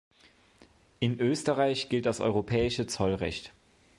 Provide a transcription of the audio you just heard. In Österreich gilt das europäische Zollrecht.